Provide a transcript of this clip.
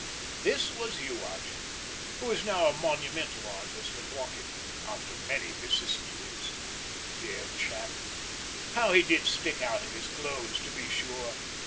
This was Ewart, who is now a monumental artist at Woking, after many vicissitudes. Dear chap, how he did stick out of his clothes to be sure!